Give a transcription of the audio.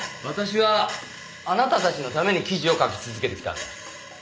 私はあなたたちのために記事を書き続けてきたんだ。